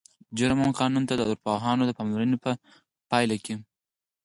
جرم او قانون ته د ارواپوهانو د پاملرنې په پایله کې